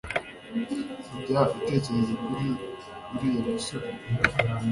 Ujya utekereza kuri uriya musore